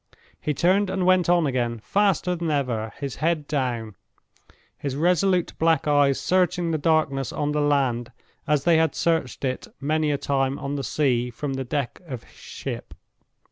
He turned and went on again faster than ever—his head down; his resolute black eyes searching the darkness on the land as they had searched it many a time on the sea from the deck of his ship.